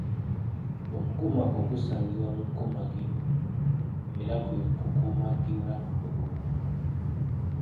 Omukomago gusangibwa mu kkomagiro era kwe kukomagirwa olubugo.